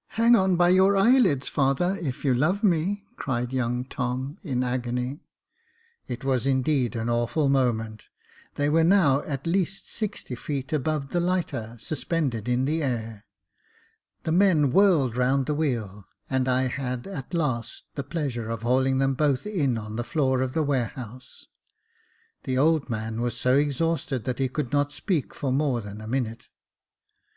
" Hang on by your eyelids, father, if you love me," cried young Tom, in agony. It was indeed an awful moment ; they were now at least sixty feet above the lighter, suspended in the air ; the men whirled round the wheel, and I had at last the pleasure of hauling them both in on the floor of the ware house ; the old man so exhausted that he could not speak for more than a minute.